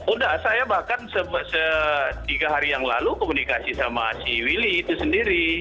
udah saya bahkan se se se se tiga hari yang lalu komunikasi sama si willy itu sendiri